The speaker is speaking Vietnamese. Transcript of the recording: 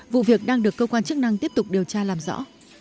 vụ việc đang được cơ quan chức năng tiếp tục điều tra làm rõ